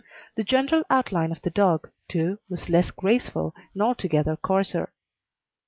The general outline of the dog, too, was less graceful and altogether coarser.